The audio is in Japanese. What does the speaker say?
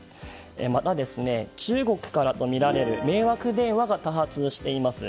また、中国からとみられる迷惑電話が多発しています。